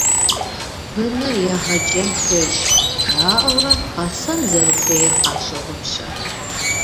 «Быныр егъэджэн хуейщ» жаӀэурэ, гъэсэн зэрыхуейр къащогъупщэ.